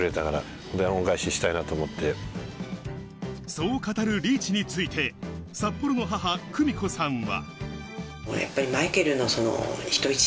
そう語るリーチについて、札幌の母・久美子さんは。